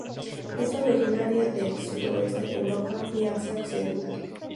Es originaria del sudeste de Europa y Asia Occidental.